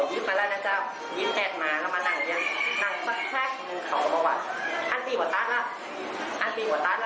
อันปีกว่าตั้งละปีกกันเลย